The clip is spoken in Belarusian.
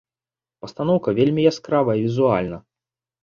Пастаноўка вельмі яскравая візуальна.